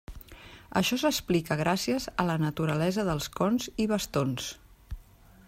Això s'explica gràcies a la naturalesa dels cons i bastons.